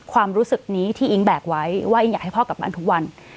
ความรู้สึกนี้ที่อิ๊งแบกไว้ว่าอิ๊งอยากให้พ่อกลับบ้านทุกวัน